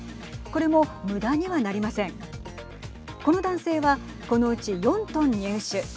この男性はこのうち４トン入手。